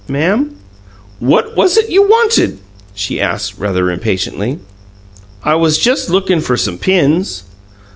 "Ma'am?" "What was it you wanted?" she asked, rather impatiently. "I was just lookin' for some pins."